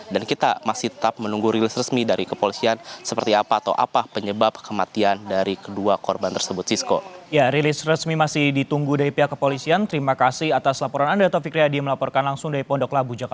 dan kita masih tetap menunggu rilis resmi dari kepolisian seperti apa atau apa penyebab kematian dari kedua korban tersebut cisco